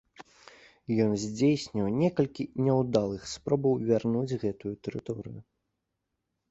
Ён здзейсніў некалькі няўдалых спробаў вярнуць гэтую тэрыторыю.